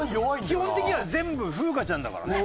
基本的には全部風花ちゃんだからね。